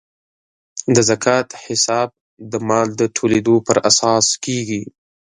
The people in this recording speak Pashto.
د زکات حساب د مال د ټولیدو پر اساس کیږي.